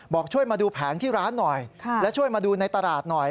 บอกช่วยมาดูแผงที่ร้านหน่อยและช่วยมาดูในตลาดหน่อย